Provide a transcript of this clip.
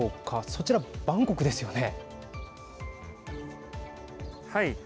そちら、バンコクですよね。